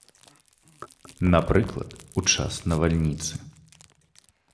Напрыклад, у час навальніцы.